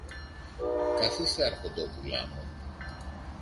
Καθίστε, αρχοντόπουλά μου.